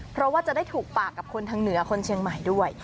เพราะว่าจะได้ถูกปากกับคนทางเหนือคนเชียงใหม่ด้วย